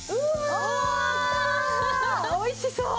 ああおいしそう。